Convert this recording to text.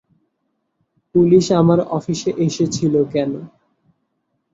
Police আমার অফিসে এসেছিল কেন?